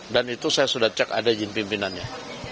dan itu saya sudah cek ada izin pimpinannya